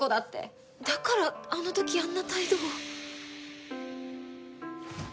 だからあの時あんな態度を。